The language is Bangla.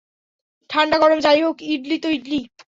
ঠান্ডা গরম যাই হোক ইডলি তো ইডলিই।